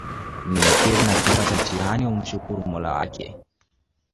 mnyenyekevu na akipata mitihani umshukuru mola wake